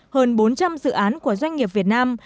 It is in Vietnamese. hơn bốn trăm linh dự án của doanh nghiệp việt nam